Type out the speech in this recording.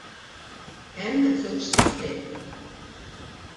Hemm żewġ sistemi.